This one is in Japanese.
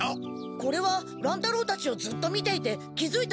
これは乱太郎たちをずっと見ていて気づいたことなのです。